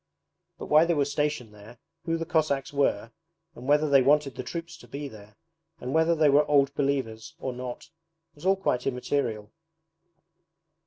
But why they were stationed there, who the Cossacks were, and whether they wanted the troops to be there, and whether they were Old Believers or not was all quite immaterial.